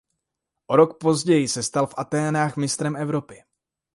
O rok později se stal v Athénách mistrem Evropy.